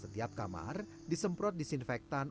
setiap kamar disemprot disinfektan